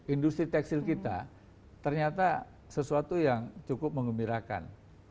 industri tekstil kita ternyata sesuatu yang cukup mengembirakan